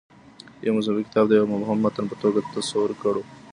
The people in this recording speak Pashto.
یو مذهبي کتاب د یوه مبهم متن په توګه تصور کړو.